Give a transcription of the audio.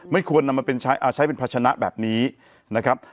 ไม่ควรใช้เป็นพระชนะแบบนี้นะครับ